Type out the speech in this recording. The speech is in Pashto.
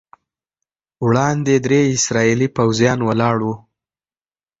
وړاندې درې اسرائیلي پوځیان ولاړ وو.